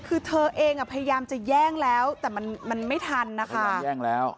คือเธอเองพยายามจะแย่งแล้วแต่มันไม่ทันนะคะมันแย่งแล้ว